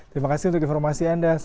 terima kasih untuk informasi anda